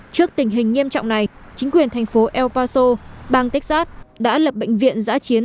trước tình hình nghiêm trọng này chính quyền thành phố el paso bang texas đã lập bệnh viện giã chiến